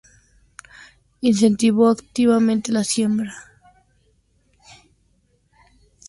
Incentivó activamente la siembra generalizada de los frijoles.